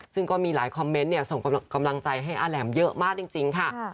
ซึ่งก็มีหลายคอมเมนต์ส่งกำลังใจให้อาแหลมเยอะมากจริงค่ะ